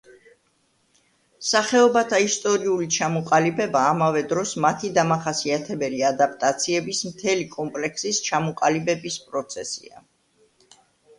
სახეობათა ისტორიული ჩამოყალიბება ამავე დროს მათი დამახასიათებელი ადაპტაციების მთელი კომპლექსის ჩამოყალიბების პროცესია.